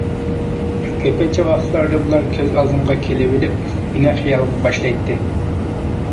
كۆپىنچە ۋاقىتلاردا بۇلار كۆز ئالدىمغا كېلىۋېلىپ، مېنى خىيالغا باشلايتتى.